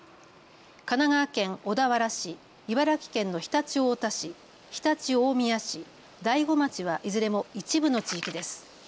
神奈川県小田原市、茨城県の常陸太田市、常陸大宮市、大子町はいずれも一部の地域です。